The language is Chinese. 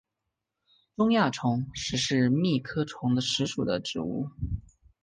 中亚虫实是苋科虫实属的植物。